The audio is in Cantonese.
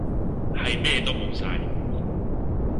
係咩都無晒